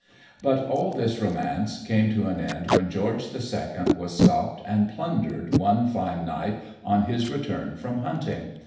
But all this romance came to an end when George II. was stopped and plundered one fine night on his return from hunting.